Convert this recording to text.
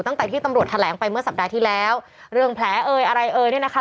ตั้งแต่ที่ตำรวจแถลงไปเมื่อสัปดาห์ที่แล้วเรื่องแผลเอยอะไรเอ่ยเนี่ยนะคะ